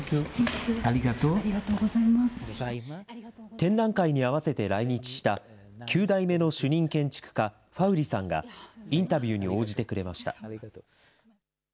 展覧会にあわせて来日した、９代目の主任建築家、ファウリさんがインタビューに応じてくれました。